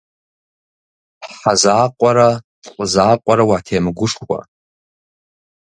Хьэ закъуэрэ, лӏы закъуэрэ уатемыгушхуэ.